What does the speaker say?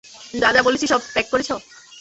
যা যা বলেছি সব প্যাক করেছো?